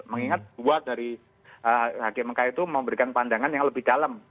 mengingat buat dari hgmk itu memberikan pandangan yang lebih dalam